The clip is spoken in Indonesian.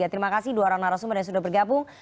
terima kasih dua orang narasumber yang sudah bergabung